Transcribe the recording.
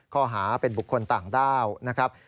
ข้อหาเป็นบุคคลต่างด้าวนะครับ